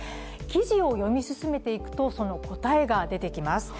記事を読み進めていくと、その答えが出てきます。